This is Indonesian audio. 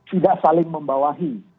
tidak saling membawahi